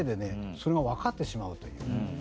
それがわかってしまうという。